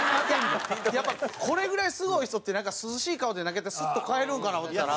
やっぱこれぐらいすごい人って涼しい顔で投げてスッと帰るんかな思ったら。